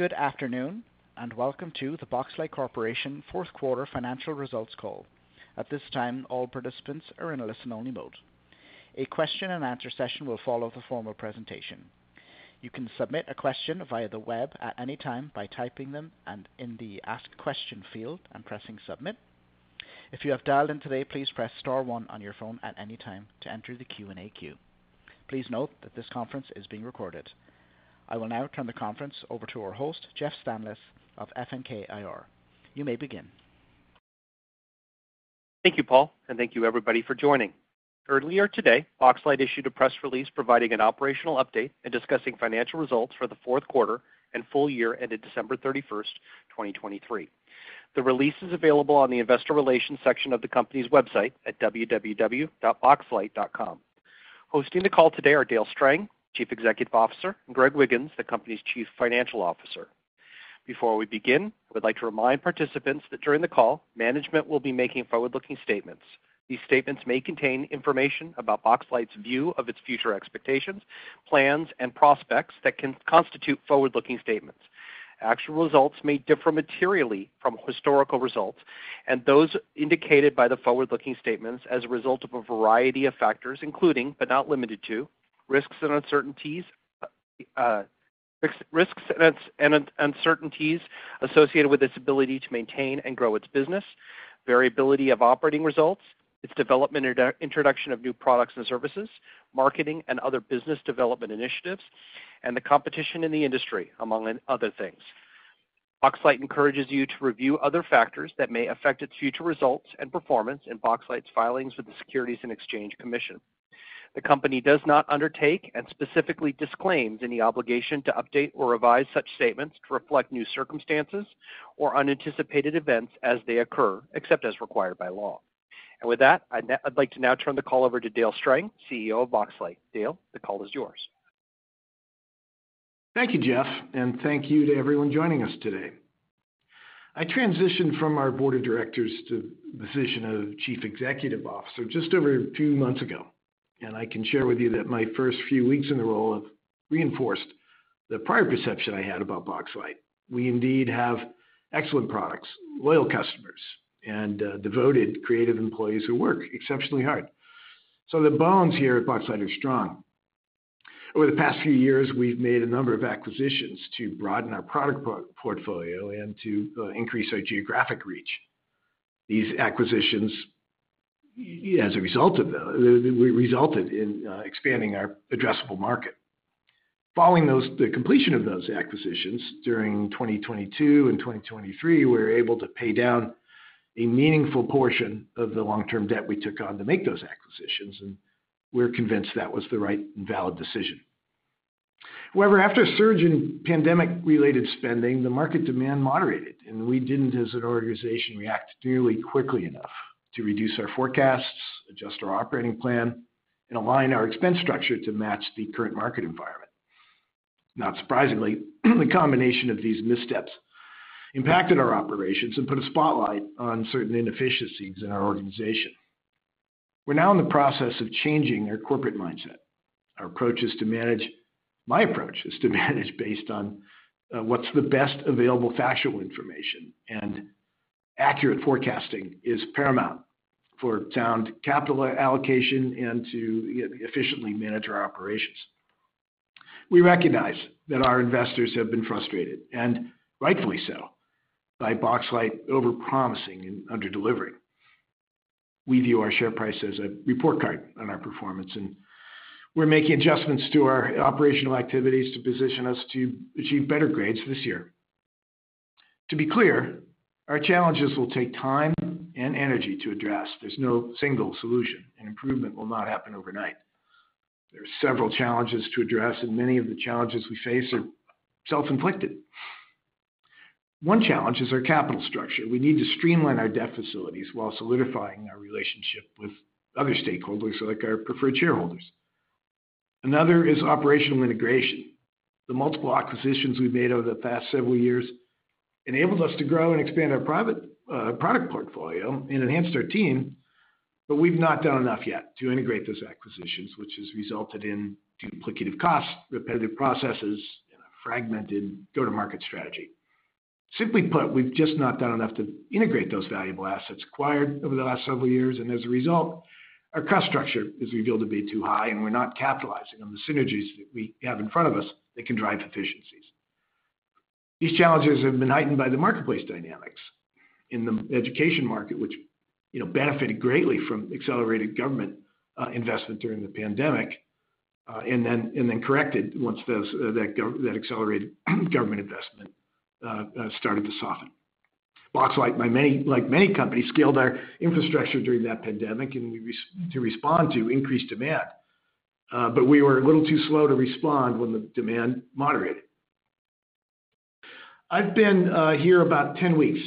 Good afternoon and welcome to the Boxlight Corporation fourth quarter financial results call. At this time, all participants are in a listen-only mode. A question-and-answer session will follow the formal presentation. You can submit a question via the web at any time by typing them in the Ask Question field and pressing Submit. If you have dialed in today, please press Star 1 on your phone at any time to enter the Q&A queue. Please note that this conference is being recorded. I will now turn the conference over to our host, Jeff Stanlis of FNK IR. You may begin. Thank you, Paul, and thank you, everybody, for joining. Earlier today, Boxlight issued a press release providing an operational update and discussing financial results for the fourth quarter and full year ended December 31st, 2023. The release is available on the investor relations section of the company's website at www.boxlight.com. Hosting the call today are Dale Strang, Chief Executive Officer, and Greg Wiggins, the company's Chief Financial Officer. Before we begin, I would like to remind participants that during the call, management will be making forward-looking statements. These statements may contain information about Boxlight's view of its future expectations, plans, and prospects that can constitute forward-looking statements. Actual results may differ materially from historical results, and those indicated by the forward-looking statements as a result of a variety of factors, including but not limited to risks and uncertainties associated with its ability to maintain and grow its business, variability of operating results, its development and introduction of new products and services, marketing and other business development initiatives, and the competition in the industry, among other things. Boxlight encourages you to review other factors that may affect its future results and performance in Boxlight's filings with the Securities and Exchange Commission. The company does not undertake and specifically disclaims any obligation to update or revise such statements to reflect new circumstances or unanticipated events as they occur, except as required by law. With that, I'd like to now turn the call over to Dale Strang, CEO of Boxlight. Dale, the call is yours. Thank you, Jeff, and thank you to everyone joining us today. I transitioned from our Board of Directors to the position of Chief Executive Officer just over a few months ago, and I can share with you that my first few weeks in the role have reinforced the prior perception I had about Boxlight. We indeed have excellent products, loyal customers, and devoted creative employees who work exceptionally hard. So the bones here at Boxlight are strong. Over the past few years, we've made a number of acquisitions to broaden our product portfolio and to increase our geographic reach. These acquisitions, as a result of those, resulted in expanding our addressable market. Following the completion of those acquisitions during 2022 and 2023, we were able to pay down a meaningful portion of the long-term debt we took on to make those acquisitions, and we're convinced that was the right and valid decision. However, after a surge in pandemic-related spending, the market demand moderated, and we didn't, as an organization, react nearly quickly enough to reduce our forecasts, adjust our operating plan, and align our expense structure to match the current market environment. Not surprisingly, the combination of these missteps impacted our operations and put a spotlight on certain inefficiencies in our organization. We're now in the process of changing our corporate mindset. Our approach is to manage my approach is to manage based on what's the best available factual information, and accurate forecasting is paramount for sound capital allocation and to efficiently manage our operations. We recognize that our investors have been frustrated, and rightfully so, by Boxlight overpromising and underdelivering. We view our share price as a report card on our performance, and we're making adjustments to our operational activities to position us to achieve better grades this year. To be clear, our challenges will take time and energy to address. There's no single solution, and improvement will not happen overnight. There are several challenges to address, and many of the challenges we face are self-inflicted. One challenge is our capital structure. We need to streamline our debt facilities while solidifying our relationship with other stakeholders, like our preferred shareholders. Another is operational integration. The multiple acquisitions we've made over the past several years enabled us to grow and expand our private product portfolio and enhance our team, but we've not done enough yet to integrate those acquisitions, which has resulted in duplicative costs, repetitive processes, and a fragmented go-to-market strategy. Simply put, we've just not done enough to integrate those valuable assets acquired over the last several years, and as a result, our cost structure has revealed to be too high, and we're not capitalizing on the synergies that we have in front of us that can drive efficiencies. These challenges have been heightened by the marketplace dynamics in the education market, which benefited greatly from accelerated government investment during the pandemic and then corrected once that accelerated government investment started to soften. Boxlight, like many companies, scaled our infrastructure during that pandemic to respond to increased demand, but we were a little too slow to respond when the demand moderated. I've been here about 10 weeks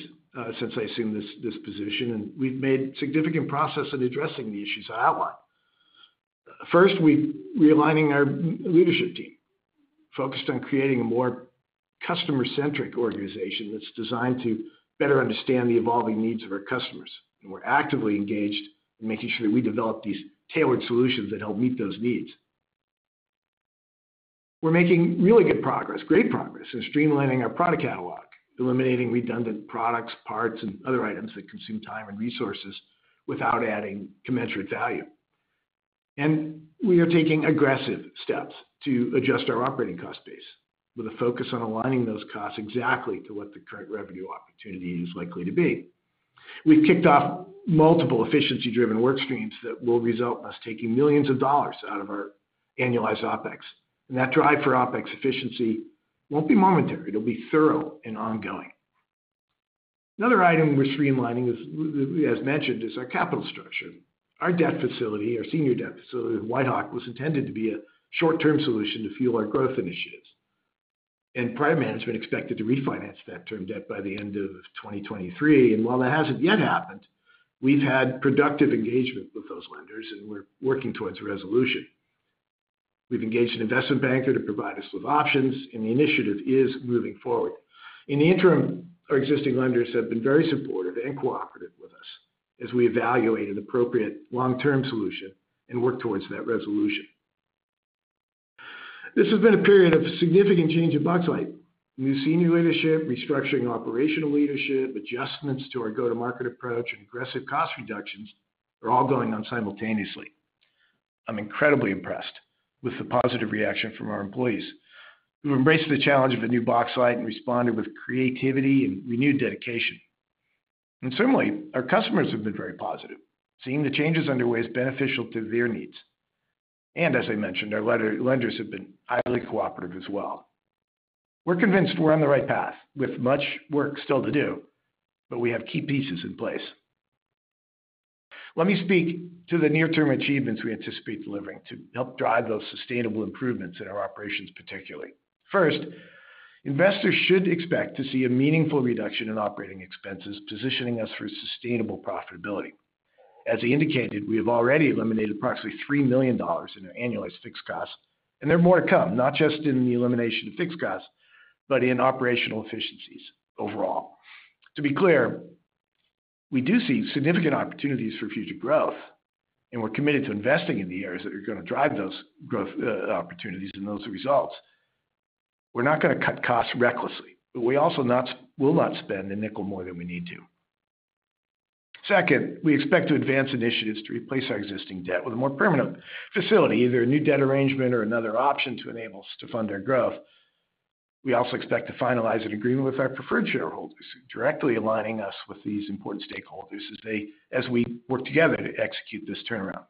since I assumed this position, and we've made significant progress in addressing the issues I outlined. First, we've been realigning our leadership team, focused on creating a more customer-centric organization that's designed to better understand the evolving needs of our customers, and we're actively engaged in making sure that we develop these tailored solutions that help meet those needs. We're making really good progress, great progress, in streamlining our product catalog, eliminating redundant products, parts, and other items that consume time and resources without adding commensurate value. We are taking aggressive steps to adjust our operating cost base with a focus on aligning those costs exactly to what the current revenue opportunity is likely to be. We've kicked off multiple efficiency-driven work streams that will result in us taking millions of dollars out of our annualized OpEx, and that drive for OpEx efficiency won't be momentary. It'll be thorough and ongoing. Another item we're streamlining, as mentioned, is our capital structure. Our debt facility, our senior debt facility with WhiteHawk, was intended to be a short-term solution to fuel our growth initiatives, and prior management expected to refinance that term debt by the end of 2023. While that hasn't yet happened, we've had productive engagement with those lenders, and we're working towards a resolution. We've engaged an investment banker to provide us with options, and the initiative is moving forward. In the interim, our existing lenders have been very supportive and cooperative with us as we evaluated an appropriate long-term solution and worked towards that resolution. This has been a period of significant change in Boxlight. New senior leadership, restructuring operational leadership, adjustments to our go-to-market approach, and aggressive cost reductions are all going on simultaneously. I'm incredibly impressed with the positive reaction from our employees who've embraced the challenge of a new Boxlight and responded with creativity and renewed dedication. And certainly, our customers have been very positive, seeing the changes underway as beneficial to their needs. And as I mentioned, our lenders have been highly cooperative as well. We're convinced we're on the right path with much work still to do, but we have key pieces in place. Let me speak to the near-term achievements we anticipate delivering to help drive those sustainable improvements in our operations, particularly. First, investors should expect to see a meaningful reduction in operating expenses, positioning us for sustainable profitability. As I indicated, we have already eliminated approximately $3 million in our annualized fixed costs, and there are more to come, not just in the elimination of fixed costs, but in operational efficiencies overall. To be clear, we do see significant opportunities for future growth, and we're committed to investing in the areas that are going to drive those growth opportunities and those results. We're not going to cut costs recklessly, but we also will not spend a nickel more than we need to. Second, we expect to advance initiatives to replace our existing debt with a more permanent facility, either a new debt arrangement or another option to fund our growth. We also expect to finalize an agreement with our preferred shareholders, directly aligning us with these important stakeholders as we work together to execute this turnaround.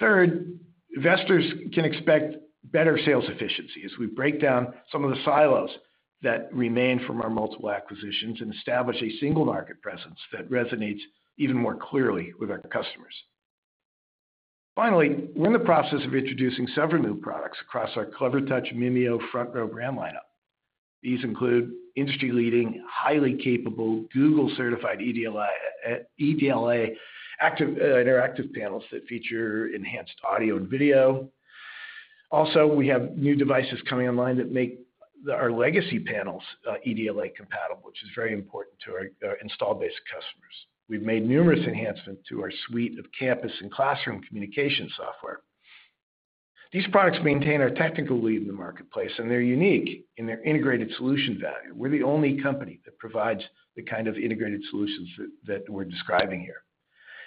Third, investors can expect better sales efficiency as we break down some of the silos that remain from our multiple acquisitions and establish a single market presence that resonates even more clearly with our customers. Finally, we're in the process of introducing several new products across our Clevertouch, Mimio, FrontRow brand lineup. These include industry-leading, highly capable Google-certified EDLA interactive panels that feature enhanced audio and video. Also, we have new devices coming online that make our legacy panels EDLA compatible, which is very important to our installed-based customers. We've made numerous enhancements to our suite of campus and classroom communication software. These products maintain our technical lead in the marketplace, and they're unique in their integrated solution value. We're the only company that provides the kind of integrated solutions that we're describing here.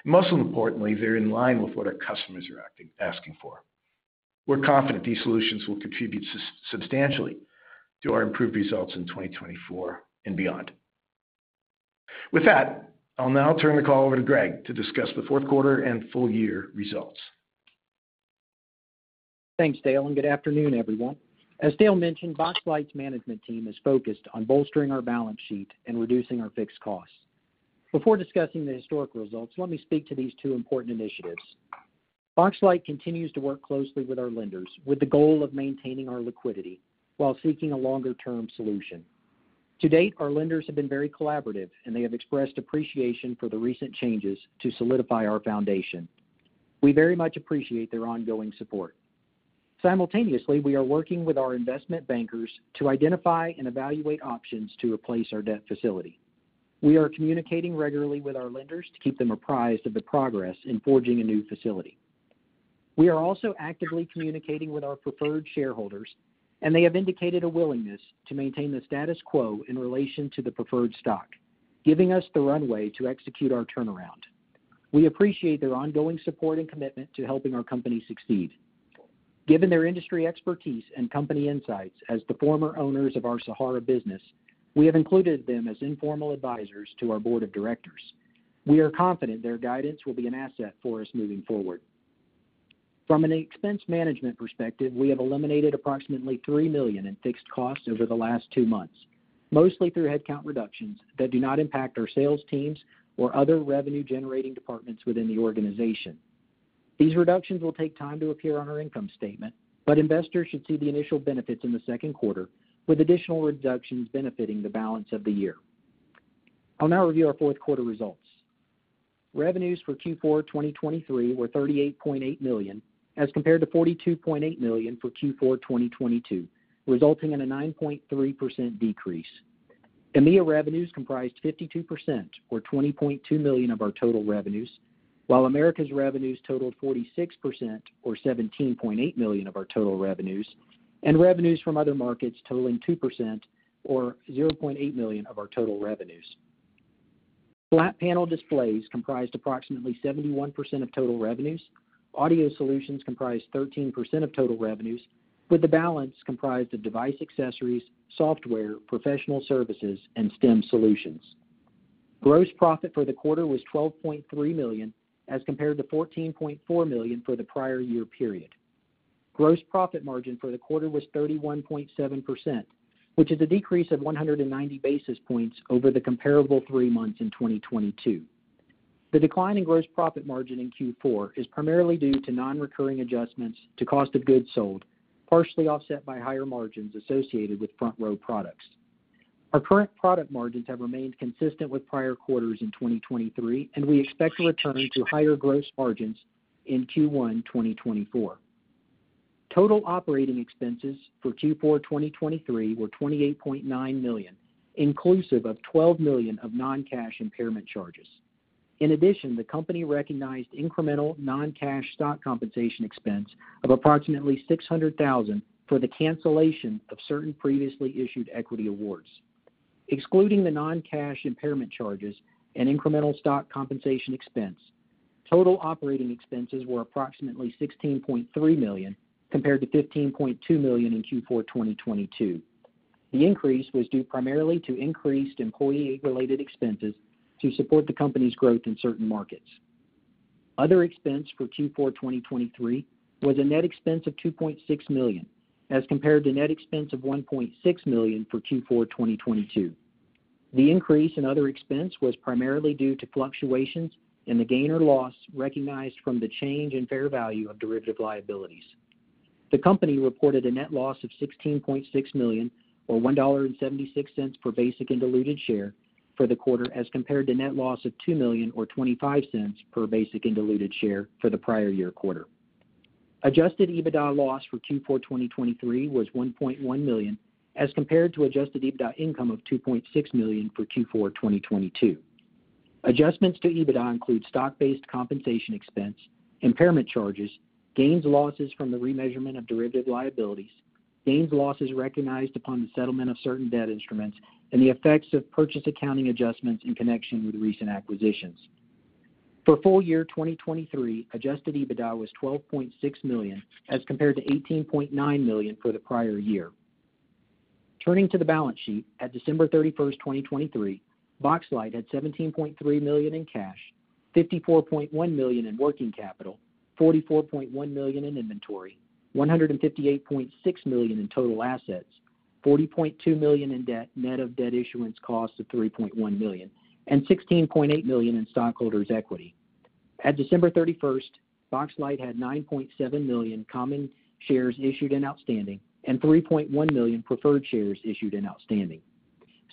Most importantly, they're in line with what our customers are asking for. We're confident these solutions will contribute substantially to our improved results in 2024 and beyond. With that, I'll now turn the call over to Greg to discuss the fourth quarter and full year results. Thanks, Dale, and good afternoon, everyone. As Dale mentioned, Boxlight's management team is focused on bolstering our balance sheet and reducing our fixed costs. Before discussing the historic results, let me speak to these two important initiatives. Boxlight continues to work closely with our lenders with the goal of maintaining our liquidity while seeking a longer-term solution. To date, our lenders have been very collaborative, and they have expressed appreciation for the recent changes to solidify our foundation. We very much appreciate their ongoing support. Simultaneously, we are working with our investment bankers to identify and evaluate options to replace our debt facility. We are communicating regularly with our lenders to keep them apprised of the progress in forging a new facility. We are also actively communicating with our preferred shareholders, and they have indicated a willingness to maintain the status quo in relation to the preferred stock, giving us the runway to execute our turnaround. We appreciate their ongoing support and commitment to helping our company succeed. Given their industry expertise and company insights as the former owners of our Sahara business, we have included them as informal advisors to our board of directors. We are confident their guidance will be an asset for us moving forward. From an expense management perspective, we have eliminated approximately $3 million in fixed costs over the last two months, mostly through headcount reductions that do not impact our sales teams or other revenue-generating departments within the organization. These reductions will take time to appear on our income statement, but investors should see the initial benefits in the second quarter, with additional reductions benefiting the balance of the year. I'll now review our fourth quarter results. Revenues for Q4 2023 were $38.8 million as compared to $42.8 million for Q4 2022, resulting in a 9.3% decrease. EMEA revenues comprised 52% or $20.2 million of our total revenues, while Americas revenues totaled 46% or $17.8 million of our total revenues, and revenues from other markets totaling 2% or $0.8 million of our total revenues. Flat panel displays comprised approximately 71% of total revenues. Audio solutions comprised 13% of total revenues, with the balance comprised of device accessories, software, professional services, and STEM solutions. Gross profit for the quarter was $12.3 million as compared to $14.4 million for the prior year period. Gross profit margin for the quarter was 31.7%, which is a decrease of 190 basis points over the comparable three months in 2022. The decline in gross profit margin in Q4 is primarily due to non-recurring adjustments to cost of goods sold, partially offset by higher margins associated with FrontRow products. Our current product margins have remained consistent with prior quarters in 2023, and we expect a return to higher gross margins in Q1 2024. Total operating expenses for Q4 2023 were $28.9 million, inclusive of $12 million of non-cash impairment charges. In addition, the company recognized incremental non-cash stock compensation expense of approximately $600,000 for the cancellation of certain previously issued equity awards. Excluding the non-cash impairment charges and incremental stock compensation expense, total operating expenses were approximately $16.3 million compared to $15.2 million in Q4 2022. The increase was due primarily to increased employee-related expenses to support the company's growth in certain markets. Other expense for Q4 2023 was a net expense of $2.6 million as compared to net expense of $1.6 million for Q4 2022. The increase in other expense was primarily due to fluctuations in the gain or loss recognized from the change in fair value of derivative liabilities. The company reported a net loss of $16.6 million or $1.76 per basic and diluted share for the quarter as compared to net loss of $2 million or $0.25 per basic and diluted share for the prior year quarter. Adjusted EBITDA loss for Q4 2023 was $1.1 million as compared to adjusted EBITDA income of $2.6 million for Q4 2022. Adjustments to EBITDA include stock-based compensation expense, impairment charges, gains/losses from the remeasurement of derivative liabilities, gains/losses recognized upon the settlement of certain debt instruments, and the effects of purchase accounting adjustments in connection with recent acquisitions. For full year 2023, adjusted EBITDA was $12.6 million as compared to $18.9 million for the prior year. Turning to the balance sheet, at December 31, 2023, Boxlight had $17.3 million in cash, $54.1 million in working capital, $44.1 million in inventory, $158.6 million in total assets, $40.2 million in net of debt issuance costs of $3.1 million, and $16.8 million in stockholders' equity. At December 31, Boxlight had 9.7 million common shares issued and outstanding and 3.1 million preferred shares issued and outstanding.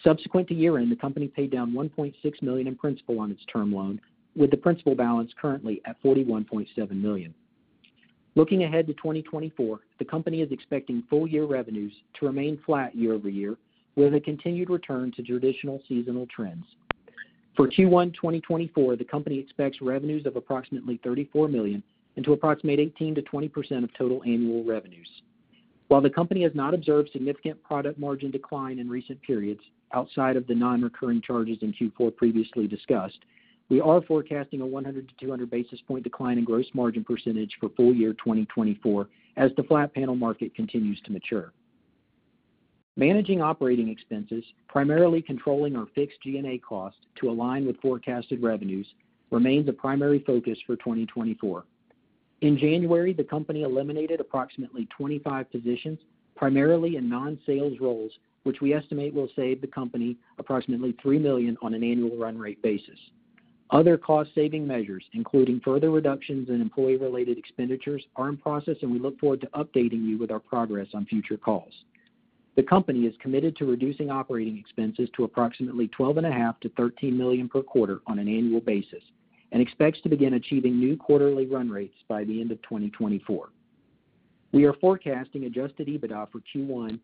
Subsequent to year-end, the company paid down $1.6 million in principal on its term loan, with the principal balance currently at $41.7 million. Looking ahead to 2024, the company is expecting full year revenues to remain flat year-over-year with a continued return to traditional seasonal trends. For Q1 2024, the company expects revenues of approximately $34 million into approximate 18%-20% of total annual revenues. While the company has not observed significant product margin decline in recent periods outside of the non-recurring charges in Q4 previously discussed, we are forecasting a 100-200 basis points decline in gross margin percentage for full year 2024 as the flat panel market continues to mature. Managing operating expenses, primarily controlling our fixed G&A costs to align with forecasted revenues, remains a primary focus for 2024. In January, the company eliminated approximately 25 positions, primarily in non-sales roles, which we estimate will save the company approximately $3 million on an annual run-rate basis. Other cost-saving measures, including further reductions in employee-related expenditures, are in process, and we look forward to updating you with our progress on future calls. The company is committed to reducing operating expenses to approximately $12.5-$13 million per quarter on an annual basis and expects to begin achieving new quarterly run rates by the end of 2024. We are forecasting adjusted EBITDA for Q1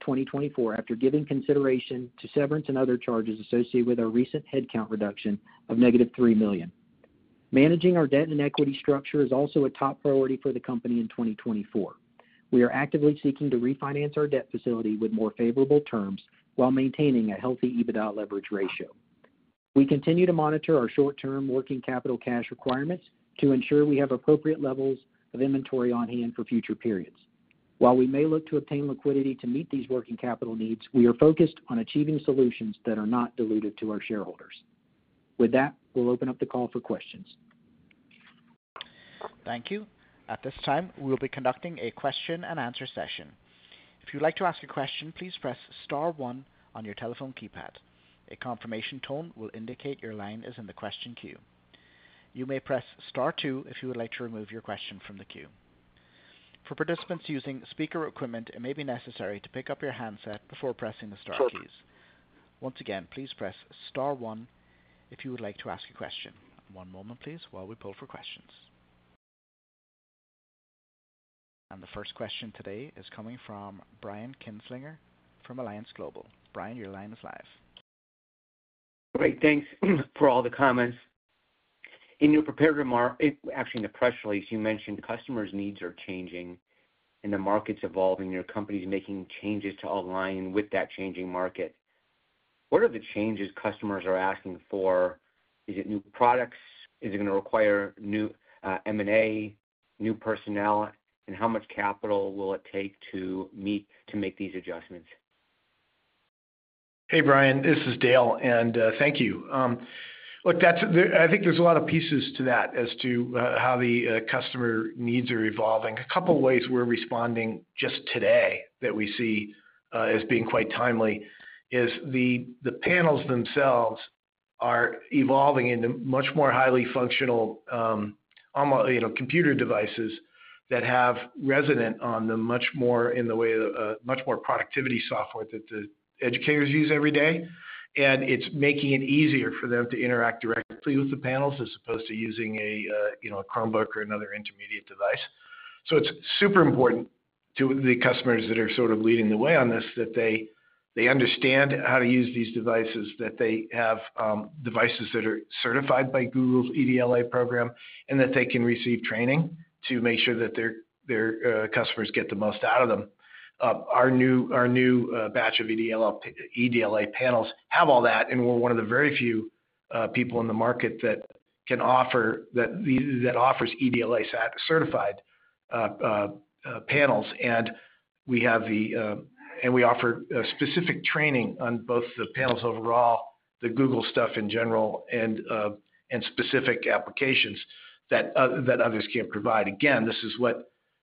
2024 after giving consideration to severance and other charges associated with our recent headcount reduction of -$3 million. Managing our debt and equity structure is also a top priority for the company in 2024. We are actively seeking to refinance our debt facility with more favorable terms while maintaining a healthy EBITDA leverage ratio. We continue to monitor our short-term working capital cash requirements to ensure we have appropriate levels of inventory on hand for future periods. While we may look to obtain liquidity to meet these working capital needs, we are focused on achieving solutions that are not diluted to our shareholders. With that, we'll open up the call for questions. Thank you. At this time, we will be conducting a question-and-answer session. If you'd like to ask a question, please press star one on your telephone keypad. A confirmation tone will indicate your line is in the question queue. You may press star two if you would like to remove your question from the queue. For participants using speaker equipment, it may be necessary to pick up your handset before pressing the star keys. Once again, please press star one if you would like to ask a question. One moment, please, while we pull for questions. And the first question today is coming from Brian Kinstlinger from Alliance Global Partners. Brian, your line is live. Great. Thanks for all the comments. In your prepared remark actually, in the press release, you mentioned customers' needs are changing and the market's evolving, and your company's making changes to align with that changing market. What are the changes customers are asking for? Is it new products? Is it going to require new M&A, new personnel? And how much capital will it take to make these adjustments? Hey, Brian. This is Dale, and thank you. Look, I think there's a lot of pieces to that as to how the customer needs are evolving. A couple of ways we're responding just today that we see as being quite timely is the panels themselves are evolving into much more highly functional computer devices that have resident on them much more in the way of much more productivity software that the educators use every day. And it's making it easier for them to interact directly with the panels as opposed to using a Chromebook or another intermediate device. So it's super important to the customers that are sort of leading the way on this that they understand how to use these devices, that they have devices that are certified by Google's EDLA program, and that they can receive training to make sure that their customers get the most out of them. Our new batch of EDLA panels have all that, and we're one of the very few people in the market that offers EDLA-certified panels. And we offer specific training on both the panels overall, the Google stuff in general, and specific applications that others can't provide. Again, this is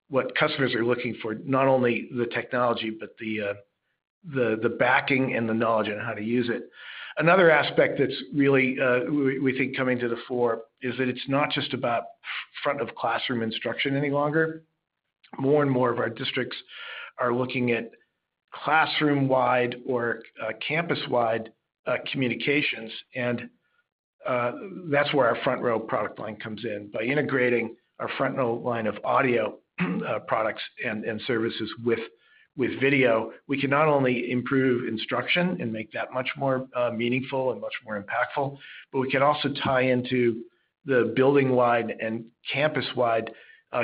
what customers are looking for, not only the technology but the backing and the knowledge on how to use it. Another aspect that's really, we think, coming to the fore is that it's not just about front-of-classroom instruction any longer. More and more of our districts are looking at classroom-wide or campus-wide communications. That's where our FrontRow product line comes in. By integrating our FrontRow line of audio products and services with video, we can not only improve instruction and make that much more meaningful and much more impactful, but we can also tie into the building-wide and campus-wide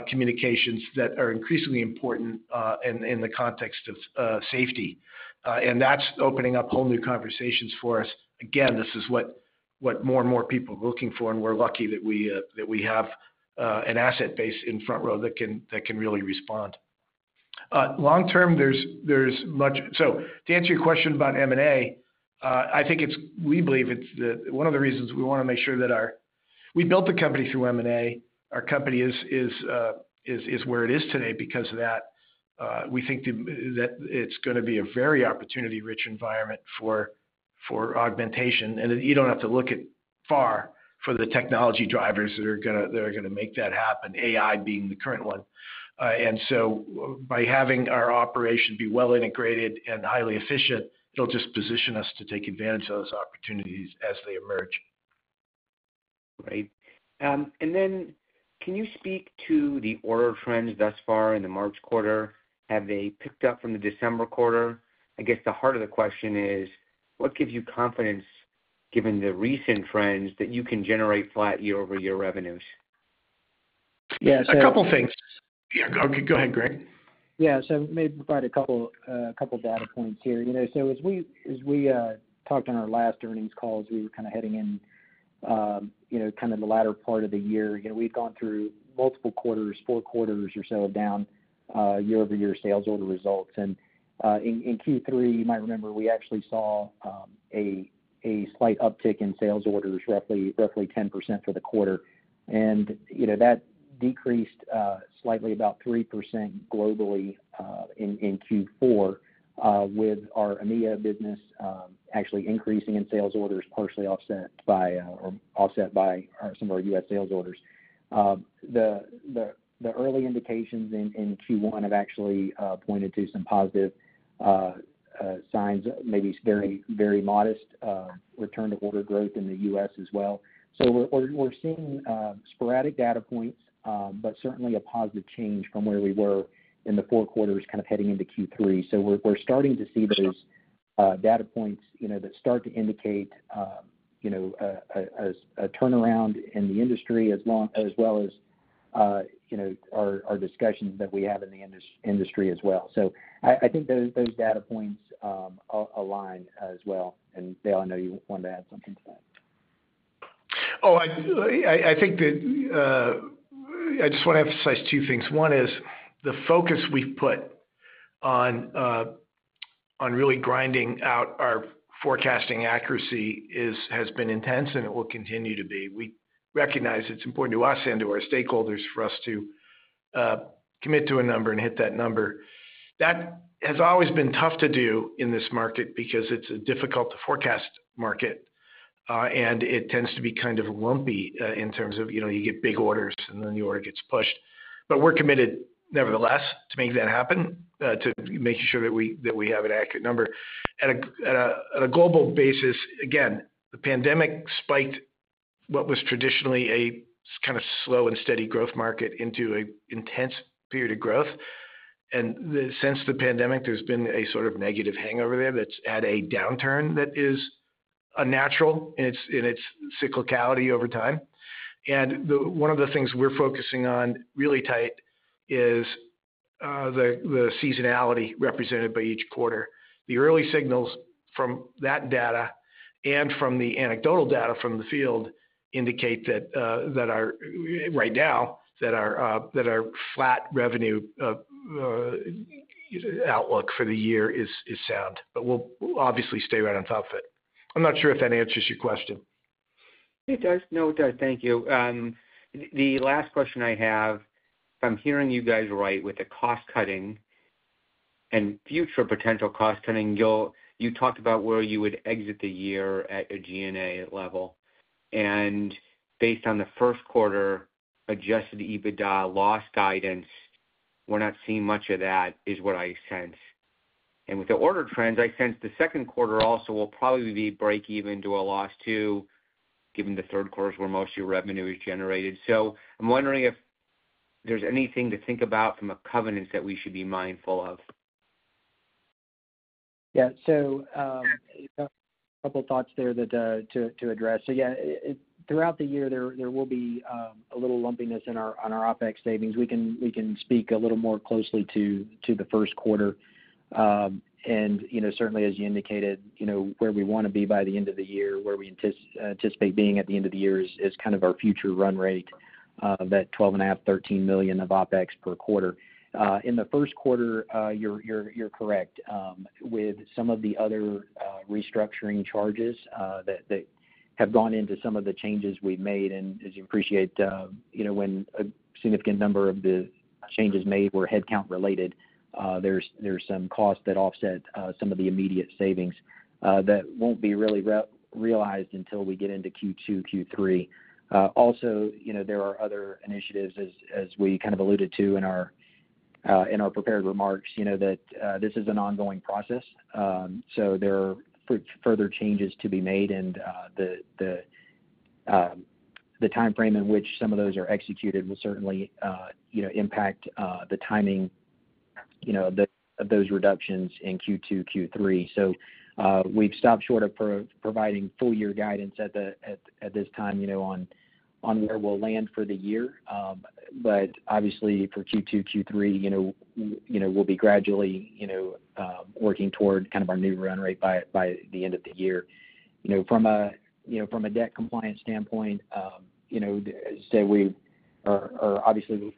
communications that are increasingly important in the context of safety. That's opening up whole new conversations for us. Again, this is what more and more people are looking for, and we're lucky that we have an asset base in FrontRow that can really respond. Long term, there's much so to answer your question about M&A, I think it's we believe it's one of the reasons we want to make sure that our we built the company through M&A. Our company is where it is today because of that. We think that it's going to be a very opportunity-rich environment for augmentation. You don't have to look too far for the technology drivers that are going to make that happen, AI being the current one. So by having our operation be well integrated and highly efficient, it'll just position us to take advantage of those opportunities as they emerge. Great. And then can you speak to the order of trends thus far in the March quarter? Have they picked up from the December quarter? I guess the heart of the question is, what gives you confidence, given the recent trends, that you can generate flat year-over-year revenues? Yeah. So a couple of things. Yeah. Go ahead, Greg. Yeah. I may provide a couple of data points here. As we talked on our last earnings calls, we were kind of heading in kind of the latter part of the year. We'd gone through multiple quarters, four quarters or so down year-over-year sales order results. In Q3, you might remember, we actually saw a slight uptick in sales orders, roughly 10% for the quarter. That decreased slightly, about 3% globally, in Q4 with our EMEA business actually increasing in sales orders, partially offset by some of our U.S. sales orders. The early indications in Q1 have actually pointed to some positive signs, maybe very modest return-to-order growth in the U.S. as well. We're seeing sporadic data points but certainly a positive change from where we were in the four quarters kind of heading into Q3. So we're starting to see those data points that start to indicate a turnaround in the industry as well as our discussions that we have in the industry as well. So I think those data points align as well. And Dale, I know you wanted to add something to that. Oh, I think that I just want to emphasize two things. One is the focus we've put on really grinding out our forecasting accuracy has been intense, and it will continue to be. We recognize it's important to us and to our stakeholders for us to commit to a number and hit that number. That has always been tough to do in this market because it's a difficult-to-forecast market, and it tends to be kind of lumpy in terms of you get big orders, and then the order gets pushed. But we're committed, nevertheless, to making that happen, to making sure that we have an accurate number. At a global basis, again, the pandemic spiked what was traditionally a kind of slow and steady growth market into an intense period of growth. Since the pandemic, there's been a sort of negative hangover there that's had a downturn that is unnatural in its cyclicality over time. One of the things we're focusing on really tight is the seasonality represented by each quarter. The early signals from that data and from the anecdotal data from the field indicate that right now, that our flat revenue outlook for the year is sound. We'll obviously stay right on top of it. I'm not sure if that answers your question. It does. No, it does. Thank you. The last question I have, if I'm hearing you guys right with the cost-cutting and future potential cost-cutting, you talked about where you would exit the year at a G&A level. And based on the first quarter Adjusted EBITDA loss guidance, we're not seeing much of that, is what I sense. And with the order trends, I sense the second quarter also will probably be break-even to a loss too, given the third quarters where most of your revenue is generated. So I'm wondering if there's anything to think about from a covenants that we should be mindful of. Yeah. So a couple of thoughts there to address. So yeah, throughout the year, there will be a little lumpiness in our OpEx savings. We can speak a little more closely to the first quarter. And certainly, as you indicated, where we want to be by the end of the year, where we anticipate being at the end of the year is kind of our future run rate, that $12.5-$13 million of OpEx per quarter. In the first quarter, you're correct. With some of the other restructuring charges that have gone into some of the changes we've made and as you appreciate, when a significant number of the changes made were headcount-related, there's some cost that offset some of the immediate savings that won't be really realized until we get into Q2, Q3. Also, there are other initiatives, as we kind of alluded to in our prepared remarks, that this is an ongoing process. So there are further changes to be made, and the timeframe in which some of those are executed will certainly impact the timing of those reductions in Q2, Q3. So we've stopped short of providing full-year guidance at this time on where we'll land for the year. But obviously, for Q2, Q3, we'll be gradually working toward kind of our new run rate by the end of the year. From a debt compliance standpoint, as I say, we are obviously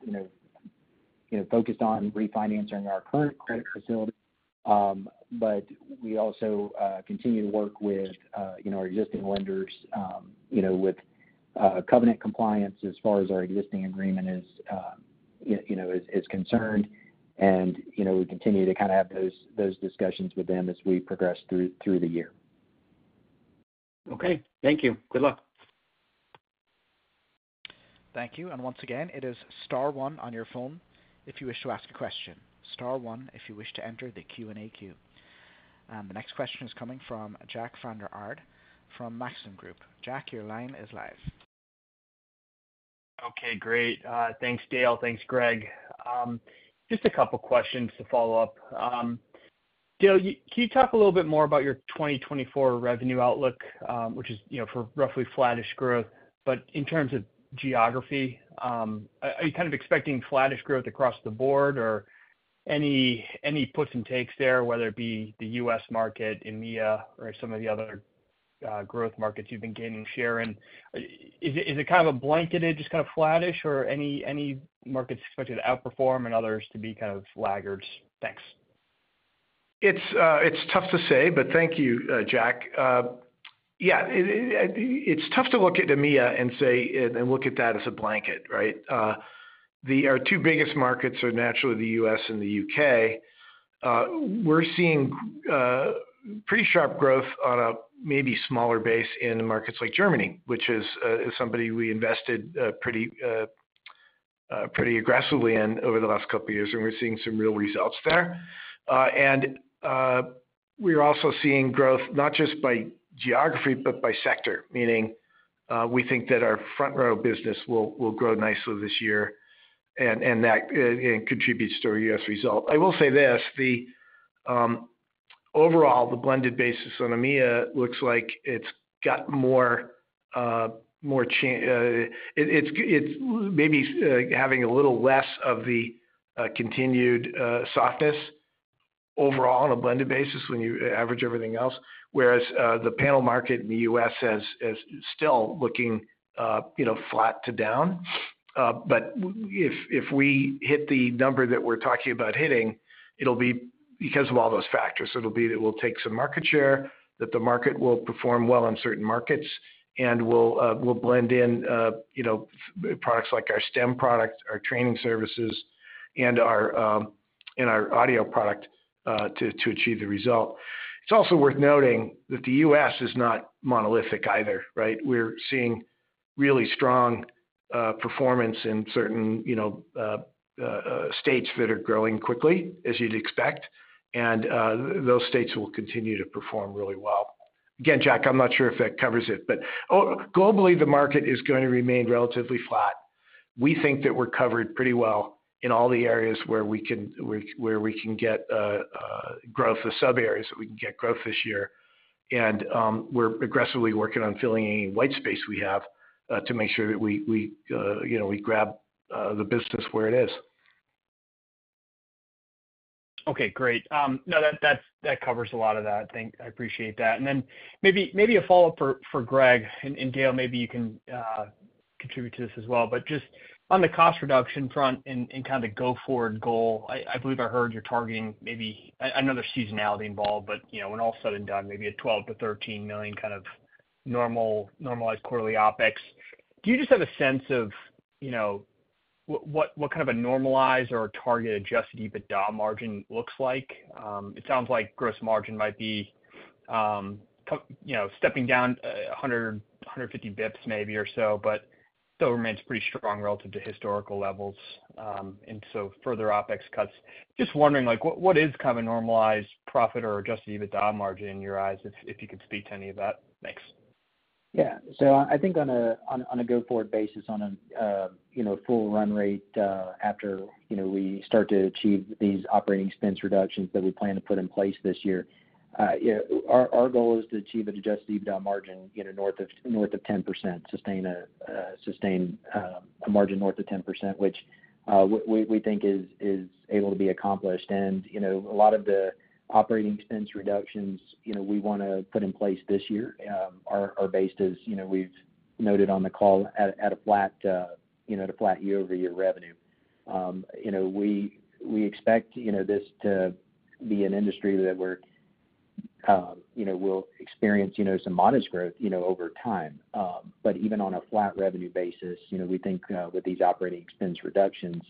focused on refinancing our current credit facility. But we also continue to work with our existing lenders with covenant compliance as far as our existing agreement is concerned. And we continue to kind of have those discussions with them as we progress through the year. Okay. Thank you. Good luck. Thank you. Once again, it is star one on your phone if you wish to ask a question, star one if you wish to enter the Q&A queue. The next question is coming from Jack Vander Aarde from Maxim Group. Jack, your line is live. Okay. Great. Thanks, Dale. Thanks, Greg. Just a couple of questions to follow up. Dale, can you talk a little bit more about your 2024 revenue outlook, which is for roughly flat-ish growth? But in terms of geography, are you kind of expecting flat-ish growth across the board, or any puts and takes there, whether it be the U.S. market, EMEA, or some of the other growth markets you've been gaining share in? Is it kind of a blanketed, just kind of flat-ish, or any markets expected to outperform and others to be kind of laggards? Thanks. It's tough to say, but thank you, Jack. Yeah. It's tough to look at EMEA and look at that as a blanket, right? Our two biggest markets are naturally the U.S. and the U.K. We're seeing pretty sharp growth on a maybe smaller base in markets like Germany, which is somebody we invested pretty aggressively in over the last couple of years, and we're seeing some real results there. We're also seeing growth not just by geography but by sector, meaning we think that our FrontRow business will grow nicely this year and contribute to our U.S. result. I will say this. Overall, the blended basis on EMEA looks like it's got more, it's maybe having a little less of the continued softness overall on a blended basis when you average everything else, whereas the panel market in the U.S. is still looking flat to down. But if we hit the number that we're talking about hitting, it'll be because of all those factors. It'll be that we'll take some market share, that the market will perform well in certain markets, and we'll blend in products like our STEM product, our training services, and our audio product to achieve the result. It's also worth noting that the U.S. is not monolithic either, right? We're seeing really strong performance in certain states that are growing quickly, as you'd expect. And those states will continue to perform really well. Again, Jack, I'm not sure if that covers it, but globally, the market is going to remain relatively flat. We think that we're covered pretty well in all the areas where we can get growth, the sub-areas that we can get growth this year. We're aggressively working on filling any white space we have to make sure that we grab the business where it is. Okay. Great. No, that covers a lot of that. I appreciate that. And then maybe a follow-up for Greg. And Dale, maybe you can contribute to this as well. But just on the cost reduction front and kind of the go-forward goal, I believe I heard you're targeting maybe. I know there's seasonality involved, but when all's said and done, maybe a $12 million-$13 million kind of normalized quarterly OpEx. Do you just have a sense of what kind of a normalized or target Adjusted EBITDA margin looks like? It sounds like gross margin might be stepping down 150 basis points maybe or so, but still remains pretty strong relative to historical levels and so further OpEx cuts. Just wondering, what is kind of a normalized profit or Adjusted EBITDA margin in your eyes, if you could speak to any of that? Thanks. Yeah. I think on a go-forward basis, on a full run rate after we start to achieve these operating expenses reductions that we plan to put in place this year, our goal is to achieve an Adjusted EBITDA margin north of 10%, sustain a margin north of 10%, which we think is able to be accomplished. A lot of the operating expenses reductions we want to put in place this year are based as we've noted on the call at a flat year-over-year revenue. We expect this to be an industry that we'll experience some modest growth over time. Even on a flat revenue basis, we think with these operating expenses reductions,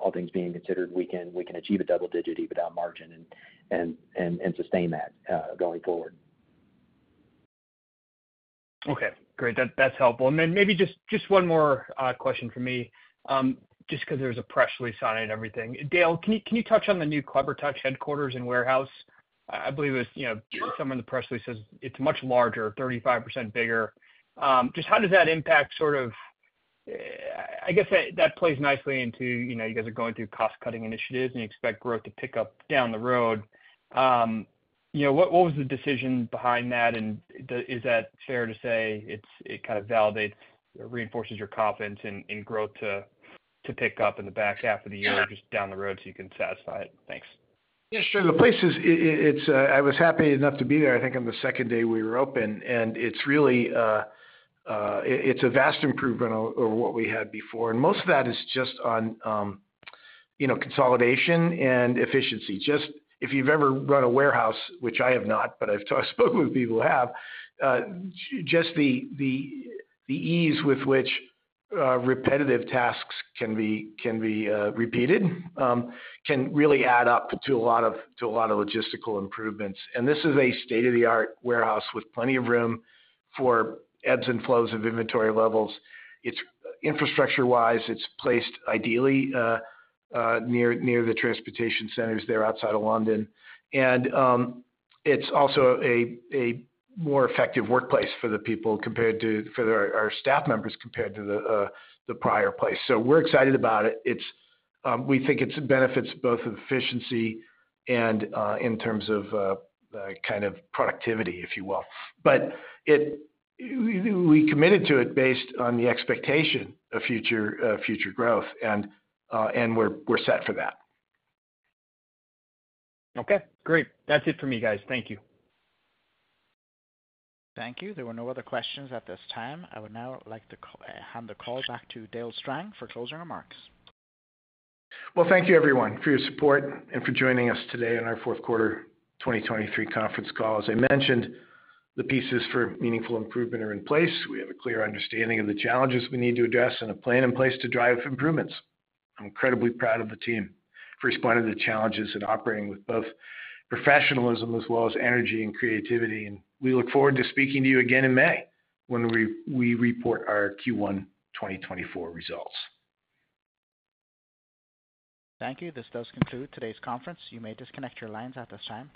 all things being considered, we can achieve a double-digit EBITDA margin and sustain that going forward. Okay. Great. That's helpful. And then maybe just one more question from me, just because there's a press release on it and everything. Dale, can you touch on the new Clevertouch headquarters and warehouse? I believe it was somewhere in the press release says it's much larger, 35% bigger. Just how does that impact sort of I guess that plays nicely into you guys are going through cost-cutting initiatives, and you expect growth to pick up down the road. What was the decision behind that? And is that fair to say it kind of validates or reinforces your confidence in growth to pick up in the back half of the year just down the road so you can satisfy it? Thanks. Yeah. Sure. The place, I was happy enough to be there, I think, on the second day we were open. It's a vast improvement over what we had before. Most of that is just on consolidation and efficiency. Just if you've ever run a warehouse, which I have not, but I've spoken with people who have, just the ease with which repetitive tasks can be repeated can really add up to a lot of logistical improvements. This is a state-of-the-art warehouse with plenty of room for ebbs and flows of inventory levels. Infrastructure-wise, it's placed ideally near the transportation centers there outside of London. It's also a more effective workplace for the people compared to for our staff members compared to the prior place. We're excited about it. We think it benefits both of efficiency and in terms of kind of productivity, if you will. But we committed to it based on the expectation of future growth, and we're set for that. Okay. Great. That's it for me, guys. Thank you. Thank you. There were no other questions at this time. I would now like to hand the call back to Dale Strang for closing remarks. Well, thank you, everyone, for your support and for joining us today on our fourth quarter 2023 conference call. As I mentioned, the pieces for meaningful improvement are in place. We have a clear understanding of the challenges we need to address and a plan in place to drive improvements. I'm incredibly proud of the team for responding to the challenges and operating with both professionalism as well as energy and creativity. We look forward to speaking to you again in May when we report our Q1 2024 results. Thank you. This does conclude today's conference. You may disconnect your lines at this time.